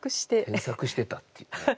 添削してたっていうね。